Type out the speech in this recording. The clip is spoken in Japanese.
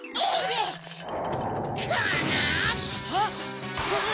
あっ！